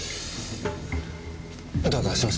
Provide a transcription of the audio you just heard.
どうかしました？